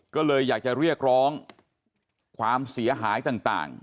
ก็เลยอยากจะเรียกร้องความเสียหายต่าง